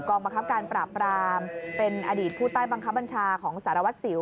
บังคับการปราบรามเป็นอดีตผู้ใต้บังคับบัญชาของสารวัตรสิว